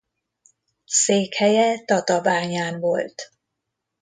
Székhelye Tatabányán volt.